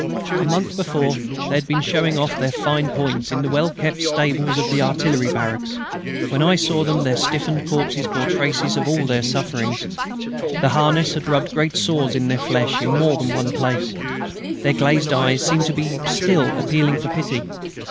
A month before they had been showing off their fine points in the well kept stables of the artillery barracks. When I saw them their stiffened corpses bore traces of all their sufferings. Their harness had rubbed great sores in their flesh, in more places than one. Their glazed eyes seemed to be still appealing for pity.